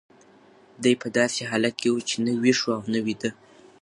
دی په داسې حالت کې و چې نه ویښ و او نه ویده.